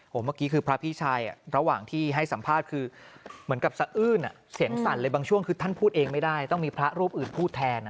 เมื่อกี้คือพระพี่ชายระหว่างที่ให้สัมภาษณ์คือเหมือนกับสะอื้นเสียงสั่นเลยบางช่วงคือท่านพูดเองไม่ได้ต้องมีพระรูปอื่นพูดแทน